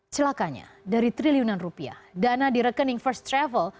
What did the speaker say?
celakanya dari triliunan rupiah dana di rekening first travel